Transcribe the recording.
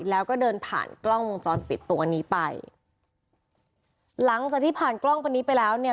แล้วก็เดินผ่านกล้องวงจรปิดตัวนี้ไปหลังจากที่ผ่านกล้องตัวนี้ไปแล้วเนี่ย